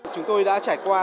chúng tôi đã trải qua